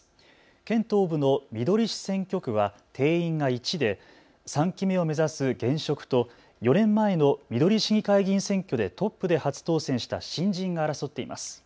県東部のみどり市選挙区は定員が１で３期目を目指す現職と、４年前のみどり市議会議員選挙でトップで初当選した新人が争っています。